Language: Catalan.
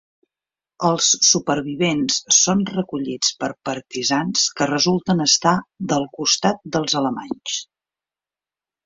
Els supervivents són recollits per partisans que resulten estar del costat dels alemanys.